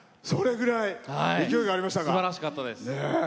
すばらしかったです。